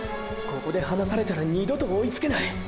ここで離されたら二度と追いつけない！！